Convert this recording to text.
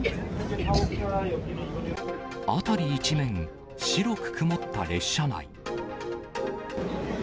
辺り一面、白く曇った列車内。